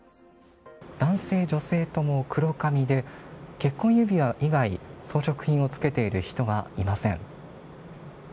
男性女性とも黒髪で結婚指輪以外装飾品を付けている人はいません。